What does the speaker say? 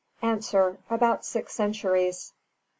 About six centuries.